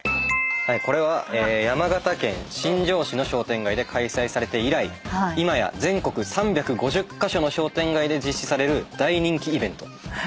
これは山形県新庄市の商店街で開催されて以来今や全国３５０カ所の商店街で実施される大人気イベントなんですけども。